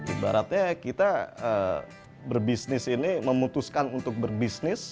ibaratnya kita berbisnis ini memutuskan untuk berbisnis